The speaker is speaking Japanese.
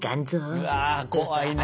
うわ怖いな。